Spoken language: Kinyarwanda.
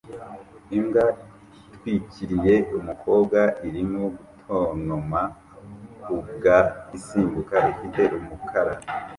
Imbwa itwikiriye umukobwa irimo gutontoma ku mbwa isimbuka ifite umukara